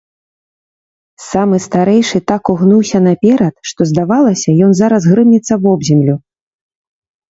Самы старэйшы так угнуўся наперад, што здавалася, ён зараз грымнецца вобземлю.